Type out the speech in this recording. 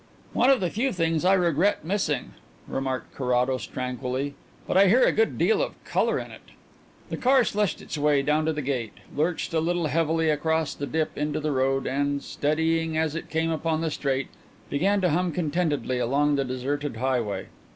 "One of the few things I regret missing," remarked Carrados tranquilly; "but I hear a good deal of colour in it." The car slushed its way down to the gate, lurched a little heavily across the dip into the road, and, steadying as it came upon the straight, began to hum contentedly along the deserted highway.